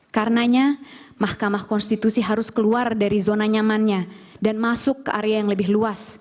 karenanya mahkamah konstitusi harus keluar dari zona nyamannya dan masuk ke area yang lebih luas